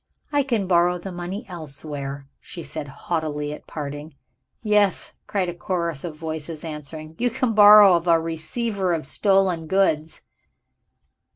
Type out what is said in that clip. "I can borrow the money elsewhere," she said haughtily at parting. "Yes," cried a chorus of voices, answering, "you can borrow of a receiver of stolen goods."